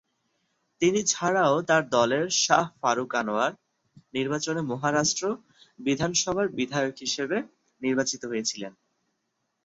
তিনি ছাড়াও তার দলের শাহ ফারুক আনোয়ার নির্বাচনে মহারাষ্ট্র বিধানসভার বিধায়ক হিসেবে নির্বাচিত হয়েছিলেন।